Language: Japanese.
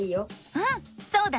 うんそうだね。